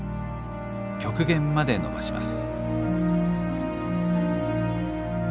極限までのばします。